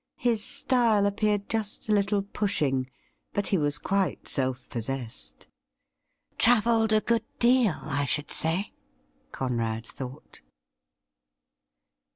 His style appeared just a little pushing, but he was quite self possessed. ' Travelled a good deal, I should say,' Conrad thought.